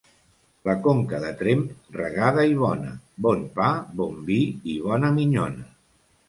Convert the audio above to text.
La Conca de Tremp regada i bona, bon pa, bon vi i bona minyona.